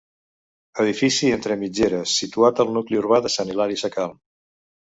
Edifici entre mitgeres, situat al nucli urbà de Sant Hilari Sacalm.